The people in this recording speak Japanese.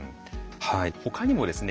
はいほかにもですね